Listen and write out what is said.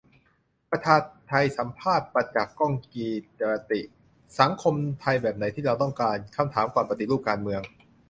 ประชาไทสัมภาษณ์ 'ประจักษ์ ก้องกีรติ' :'สังคมไทยแบบไหนที่เราต้องการ' คำถามก่อนปฏิรูปการเมือง